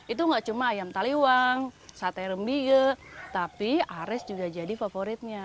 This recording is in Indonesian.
itu nggak cuma ayam taliwang sate rembige tapi ares juga jadi favoritnya